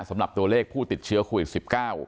สำหรับตัวเลขผู้ติดเชื้อโควิด๑๙